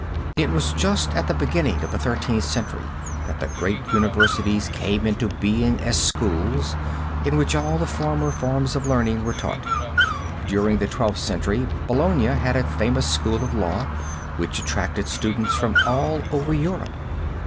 It was just at the beginning of the Thirteenth Century that the great universities came into being as schools, in which all the ordinary forms of learning were taught. During the Twelfth Century, Bologna had had a famous school of law which attracted students from all over Europe.